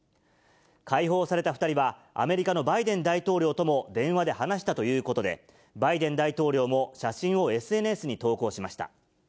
解放された２人は、アメリカのバイデン大統領とも電話で話したということで、バイデン大統領も写真をＳＮＳに投稿しました。